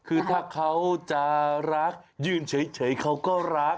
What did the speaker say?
คือถ้าเขาจะรักยืนเฉยเขาก็รัก